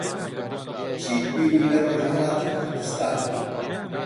چیت بینی لە ڕۆژھەڵاتی کوردستان؟